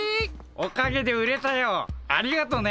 おかげで売れたよ。ありがとね。